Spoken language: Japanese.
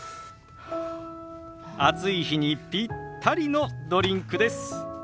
暑い日にピッタリのドリンクです。